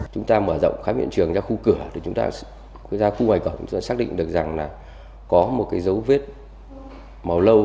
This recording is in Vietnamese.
chúng ta mở rộng khám hiện trường ra khu cửa ra khu ngoài cổng chúng ta xác định được rằng là có một cái dấu vết màu lâu